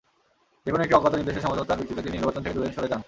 যেকোনো একটি অজ্ঞাত নির্দেশে সমঝোতার ভিত্তিতে তিনি নির্বাচন থেকে দূরে সরে যান।